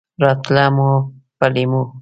راتله مو په لېمو!